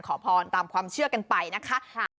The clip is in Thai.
ขอพรตามความเชื่อกันไปนะคะ